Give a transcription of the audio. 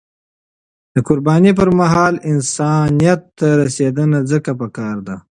د قربانی پر مهال، انسانیت ته رسیدنه ځکه پکار ده.